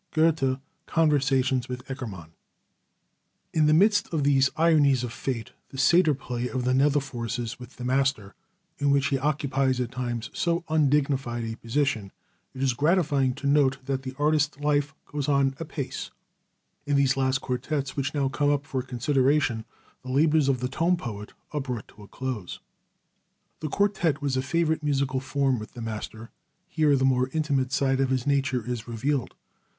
GOETHE, Conversations with Eckermann. In the midst of these ironies of fate, this satyr play of the nether forces with the master, in which he occupies at times so undignified a position, it is gratifying to note that the artist life goes on apace. In the last quartets which now come up for consideration, the labors of the tone poet are brought to a close. The quartet was a favorite musical form with the master. Here the more intimate side of his nature is revealed.